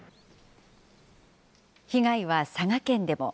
被害は佐賀県でも。